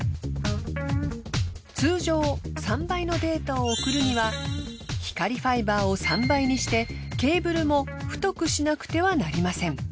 通常３倍のデータを送るには光ファイバーを３倍にしてケーブルも太くしなくてはなりません。